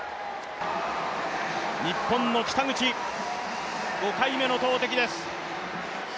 日本の北口、５回目の投てきです。